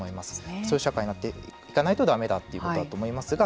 そういう社会になっていかないとだめだということだと思いますが。